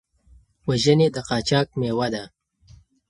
وژنې د قاچاق مېوه ده.